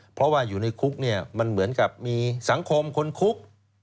เพราะว่าอยู่ในคุกเนี่ยมันเหมือนกับมีสังคมคนคุก